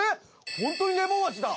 ホントにレモンあじだ。